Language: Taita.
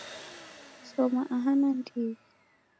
Shoma aha nandighi